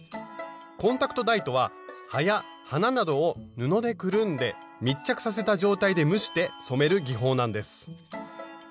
コンタクトダイとは葉や花などを布でくるんで密着させた状態で蒸して染める技法なんです。